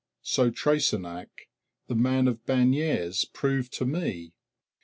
So Treysenac, the man of Bagnères, proved to me.